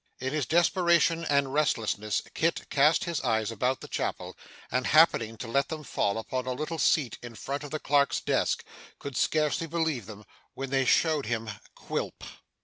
In his desperation and restlessness Kit cast his eyes about the chapel, and happening to let them fall upon a little seat in front of the clerk's desk, could scarcely believe them when they showed him Quilp!